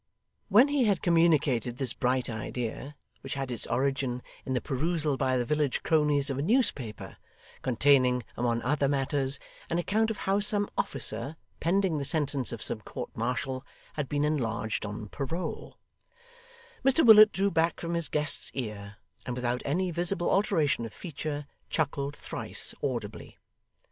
When he had communicated this bright idea, which had its origin in the perusal by the village cronies of a newspaper, containing, among other matters, an account of how some officer pending the sentence of some court martial had been enlarged on parole, Mr Willet drew back from his guest's ear, and without any visible alteration of feature, chuckled thrice audibly.